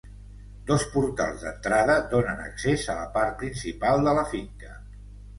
Dos portals d'entrada donen accés a la part principal de la finca.